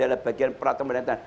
adalah bagian peraturan